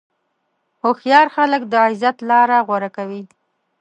هوښیار خلک د عزت لاره غوره کوي.